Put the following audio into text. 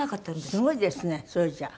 すごいですねそれじゃ。